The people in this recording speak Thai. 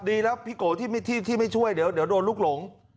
ดีแล้วพี่โกที่ไม่ช่วยเดี๋ยวโดนลูกหลง